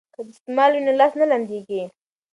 که دستمال وي نو لاس نه لمدیږي.